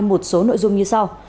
một số nội dung như sau